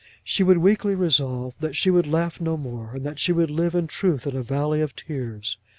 She would weakly resolve that she would laugh no more, and that she would live in truth in a valley of tears.